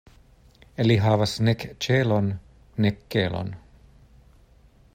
Li havas nek ĉelon, nek kelon.